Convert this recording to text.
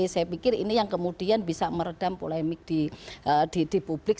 saya pikir ini yang kemudian bisa meredam polemik di publik